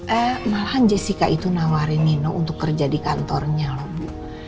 eh malahan jessica itu nawarin nino untuk kerja di kantornya lah bu